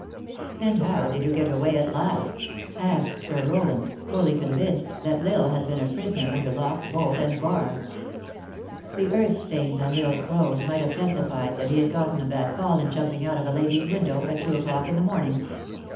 "And how did you get aw r ay at last ?" asked Sir 392 THE ACTRESS IN HiaH LIFE. Rowland, fully convinced that L Isle had been a pris oner, under lock, bolt and bar. The earth stains on L Isle s clothes might have testified that he had gotten a bad fall in jumping out of a lady s window, at two o clock in the morning.